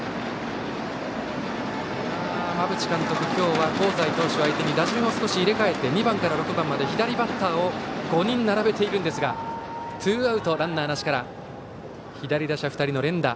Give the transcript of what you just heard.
馬淵監督、今日は香西投手相手に打順を少し入れ替えて２番から６番まで左バッターを５人並べているんですがツーアウトランナーなしから左打者２人の連打。